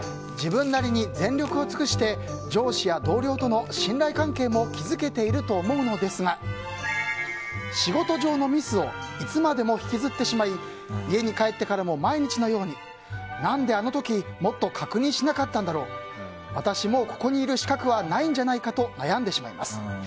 自分なりに全力を尽くして上司や同僚との信頼関係も築けていると思うのですが仕事上のミスをいつまでも引きずってしまい家に帰ってからも毎日のように何であの時もっと確認しなかったんだろう私もう、ここにいる資格がないんじゃないかと悩んでしまいます。